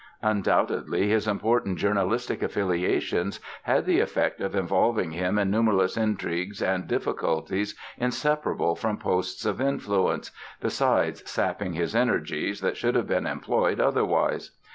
Undoubtedly his important journalistic affiliations had the effect of involving him in numberless intrigues and difficulties inseparable from posts of influence, besides sapping his energies that should have been employed otherwise.